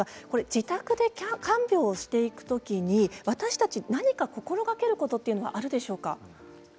自宅で看病をしていくときに私たち何か心がけることはあるでしょうか。